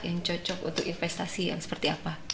yang cocok untuk investasi yang seperti apa